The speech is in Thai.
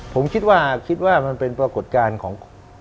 ผมคิดว่ามันเป็นประกดการณ์ของ